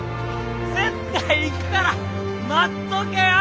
絶対行くから待っとけよ！